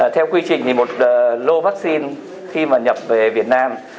theo quy trình một lô vaccine khi nhập về việt nam